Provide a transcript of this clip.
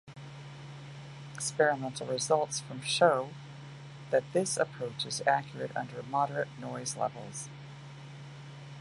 Experimental results from show that this approach is accurate under moderate noise levels.